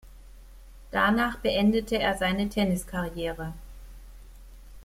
Danach beendete er seine Tenniskarriere.